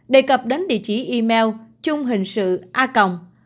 đề cập đến địa chỉ email chung hình sự a còng